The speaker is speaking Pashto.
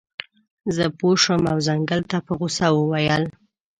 زه پوه شم او ځنګل ته په غوسه وویل.